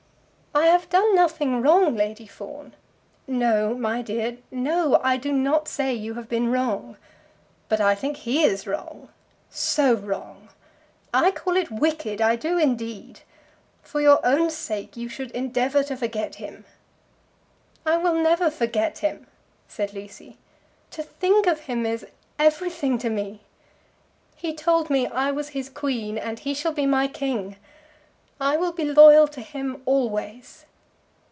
"I have done nothing wrong, Lady Fawn." "No, my dear; no. I do not say you have been wrong. But I think he is wrong, so wrong! I call it wicked. I do indeed. For your own sake you should endeavour to forget him." "I will never forget him!" said Lucy. "To think of him is everything to me. He told me I was his Queen, and he shall be my King. I will be loyal to him always."